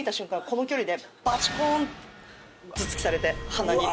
この距離でバチコーンって頭突きされて鼻に。